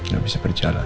gak bisa berjalan